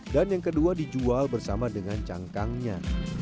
dan yang kedua dijual bersama dengan cangkangnya